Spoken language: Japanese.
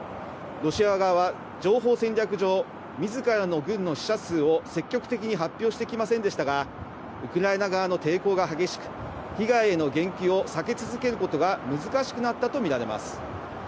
ロシア側は、情報戦略上、みずからの軍の死者数を積極的に発表してきませんでしたが、ウクライナ側の抵抗が激しく、被害への言及を避け続けることが難しくなったと見られます。